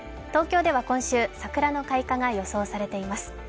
東京では今週、桜の開花が予想されています。